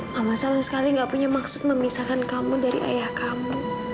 mama sama sekali gak punya maksud memisahkan kamu dari ayah kamu